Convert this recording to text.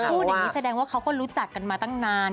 พูดอย่างนี้แสดงว่าเขาก็รู้จักกันมาตั้งนาน